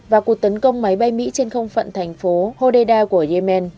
và cuộc tấn công máy bay mỹ trên không phận thành phố hodeida của yemen